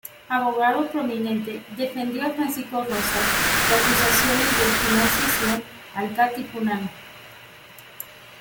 Abogado prominente, defendió a Francisco Roxas de la acusación de financiación al Katipunan.